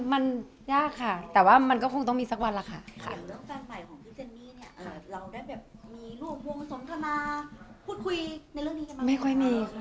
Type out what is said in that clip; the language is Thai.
ไม่ค่อยมีคุณม่อนว่าว่าพี่คริสแนะนำไว้ไม่ไปหาคนกันเลย